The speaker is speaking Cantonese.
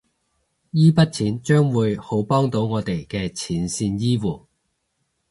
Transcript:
依筆錢將會好幫到我哋嘅前線醫護